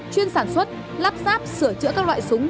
chuyên sản xuất lắp ráp sửa chữa các loại súng